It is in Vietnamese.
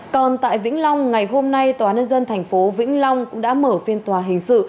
còn tại vĩnh long ngày hôm nay tòa nân dân thành phố vĩnh long cũng đã mở phiên tòa hình sự